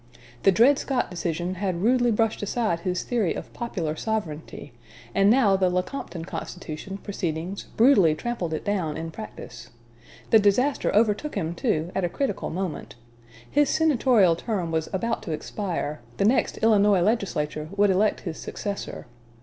The Dred Scott decision had rudely brushed aside his theory of popular sovereignty, and now the Lecompton Constitution proceedings brutally trampled it down in practice. The disaster overtook him, too, at a critical moment. His senatorial term was about to expire; the next Illinois legislature would elect his successor.